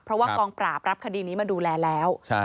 เพราะว่ากองปราบรับคดีนี้มาดูแลแล้ว